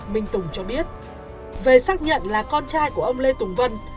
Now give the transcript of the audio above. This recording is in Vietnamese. minh tùng cho biết về xác nhận là con trai của ông lê tùng vân